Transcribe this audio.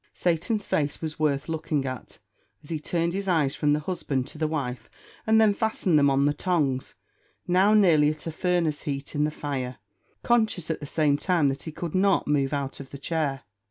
Satan's face was worth looking at, as he turned his eyes from the husband to the wife, and then fastened them on the tongs, now nearly at a furnace heat in the fire, conscious at the same time that he could not move out of the chair.